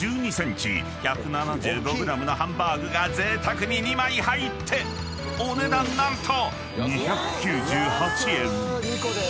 ［ハンバーグがぜいたくに２枚入ってお値段何と］